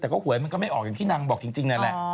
แต่ก็หวยมันก็ไม่ออกอย่างที่นางบอกจริงนั่นแหละ